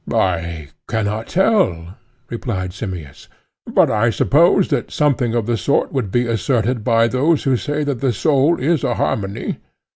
I cannot tell, replied Simmias; but I suppose that something of the sort would be asserted by those who say that the soul is a harmony.